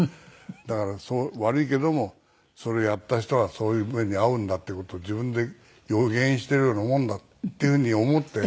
だから悪いけれどもそれやった人はそういう目に遭うんだっていう事を自分で予言しているようなものだっていうふうに思って。